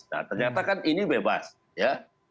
nah ternyata kan ini bebas ya